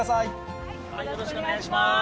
よろしくお願いします。